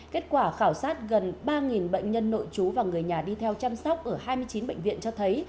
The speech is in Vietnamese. kết quả khảo sát gần ba bệnh nhân nội chú và người nhà đi theo chăm sóc ở hai mươi chín bệnh viện cho thấy